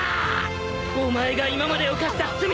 お前が今まで犯した罪！